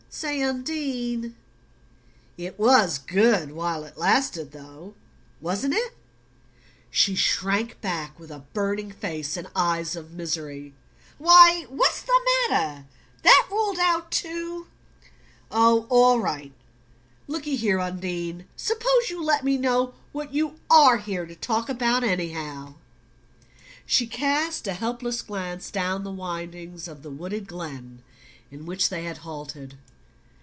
"Say, Undine it was good while it lasted, though, wasn't it?" She shrank back with a burning face and eyes of misery. "Why, what's the matter? That ruled out too? Oh, all right. Look at here, Undine, suppose you let me know what you ARE here to talk about, anyhow." She cast a helpless glance down the windings of the wooded glen in which they had halted.